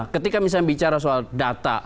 ketika misalnya bicara soal data